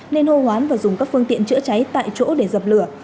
nên hô hoán và dùng các phương tiện chữa cháy tại chỗ để dập lửa